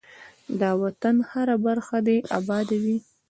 ده وطن هره برخه دی اباده وی.